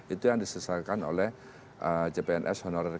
itu yang disesuaikan oleh cpns honorer k dua